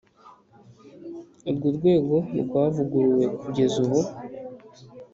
Urworwego rwavuguruwe kugeza ubu .